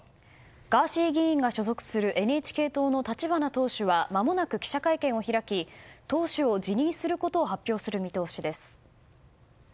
ガーシー議員が所属するＮＨＫ党の立花党首はまもなく記者会見を開き党首を辞任することを発表する見通しです。